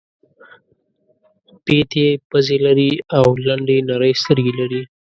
پېتې پزې لري او لنډې نرۍ سترګې لري.